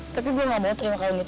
tapi gue gak mau terima kalung itu